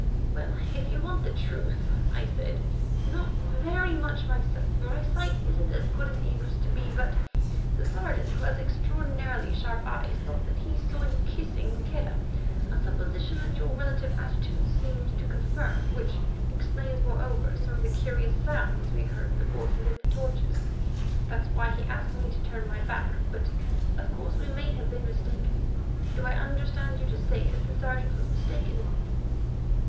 "Well, if you want the truth," I said, "not very much myself, for my sight isn't as good as it used to be. But the Sergeant, who has extraordinarily sharp eyes, thought that he saw you kissing Maqueda, a supposition that your relative attitudes seemed to confirm, which explains, moreover, some of the curious sounds we heard before he lit the torches. That's why he asked me to turn my back. But, of course, we may have been mistaken. Do I understand you to say that the Sergeant was mistaken?"